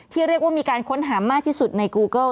เรียกว่ามีการค้นหามากที่สุดในกูเกิล